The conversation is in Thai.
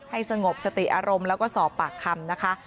สงบสติอารมณ์แล้วก็สอบปากคำนะคะ